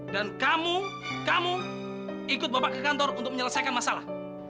kamu kamu ikut bapak ke kantor untuk menyelesaikan masalah